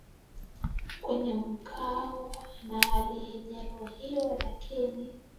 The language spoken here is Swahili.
kwenye mkono na alijeruhiwa lakini